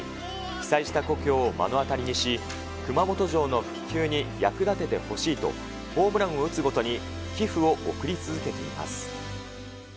被災した故郷を目の当たりにし、熊本城の復旧に役立ててほしいと、ホームランを打つごとに寄付を送り続けています。